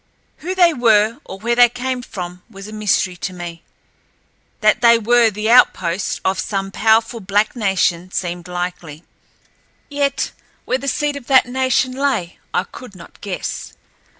Who they were or where they came from was a mystery to me. That they were the outpost of some powerful black nation seemed likely, yet where the seat of that nation lay I could not guess.